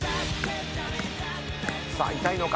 さあ痛いのか？